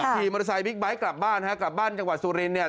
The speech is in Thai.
ขี่มอเตอร์ไซค์บิ๊กไบท์กลับบ้านฮะกลับบ้านจังหวัดสุรินเนี่ย